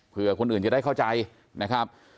เพื่อคนอื่นจะได้เข้าใจนะครับ